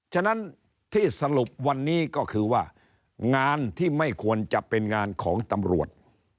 ฉะนั้นที่สรุปวันนี้ก็คือว่างานที่ไม่ควรจะเป็นงานของตำรวจ